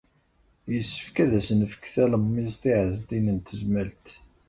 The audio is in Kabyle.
Yessefk ad as-nefk talemmiẓt i Ɛezdin n Tezmalt.